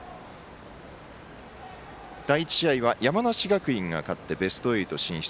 第１試合は山梨学院が勝ってベスト８進出。